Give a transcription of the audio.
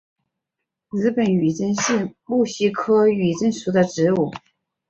日本女贞是木犀科女贞属的植物。